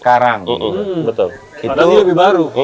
karena dia lebih baru